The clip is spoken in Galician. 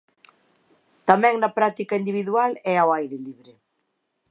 Tamén na práctica individual e ao aire libre.